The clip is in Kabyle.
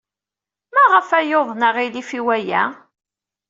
Maɣef ay yuḍen aɣilif i waya?